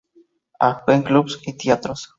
Actúa en clubs y teatros.